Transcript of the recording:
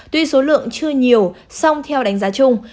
tuy số lượng chưa nhiều song theo đánh giá chung